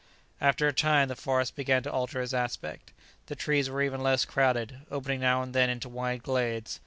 After a time the forest began to alter its aspect. The trees were even less crowded, opening now and then into wide glades.